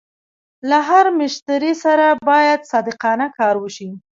له هر مشتري سره باید صادقانه کار وشي.